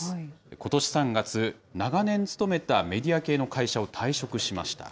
ことし３月、長年勤めたメディア系の会社を退職しました。